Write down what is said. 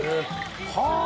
はあ！